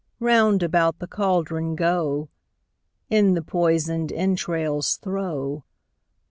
FIRST WITCH. Round about the cauldron go; In the poison'd entrails throw.